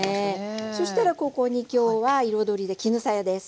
そしたらここに今日は彩りで絹さやです。